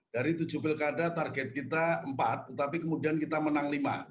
dari tujuh pilkada target kita empat tetapi kemudian kita menang lima